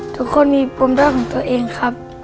ทุกคนมีปมรักของตัวเองครับ